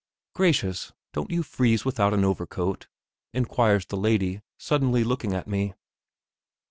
"Gracious! don't you freeze without an overcoat?" inquires the lady, suddenly looking at me.